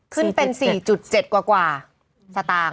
ขึ้นเป็น๔๗กว่าสตางค์